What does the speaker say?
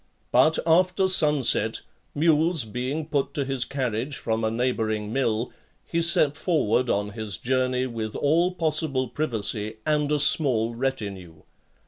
But after sun set, mules being put to his carriage from a neighbouring mill, he set forward on his journey with all possible privacy, and a small retinue.